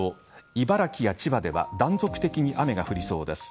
茨城や千葉では断続的に雨が降りそうです。